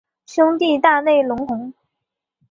兄弟大内隆弘。